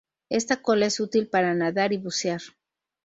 Esta cola es útil para nadar y bucear.